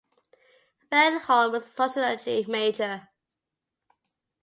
Van Horn was a sociology major.